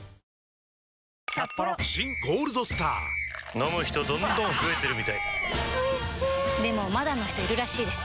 飲む人どんどん増えてるみたいおいしでもまだの人いるらしいですよ